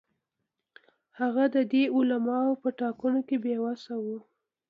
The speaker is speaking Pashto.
هغه د دې عواملو په ټاکلو کې بې وسه و.